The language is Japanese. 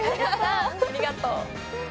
ありがとう。